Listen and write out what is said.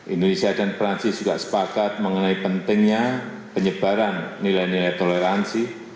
indonesia dan perancis juga sepakat mengenai pentingnya penyebaran nilai nilai toleransi